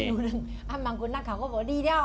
อ่านไม่รู้เรื่องบางคุณนักข่าวก็บอกดีแล้ว